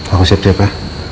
aku siap siap ya